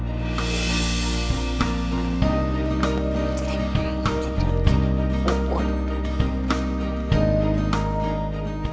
jawab yang jujur ya